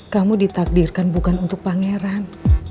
kamu ditakdirkan bukan untuk pangeran